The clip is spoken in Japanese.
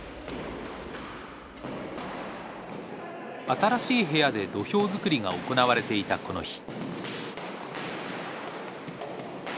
新しい部屋で土俵作りが行われていたこの日。